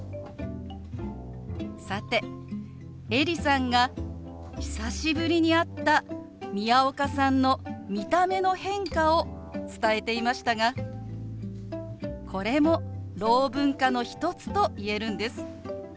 さてエリさんが久しぶりに会った宮岡さんの見た目の変化を伝えていましたがこれもろう文化の一つと言えるんです。